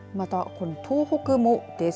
東北もです。